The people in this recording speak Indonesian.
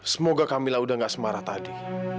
semoga kamila udah gak semarah tadi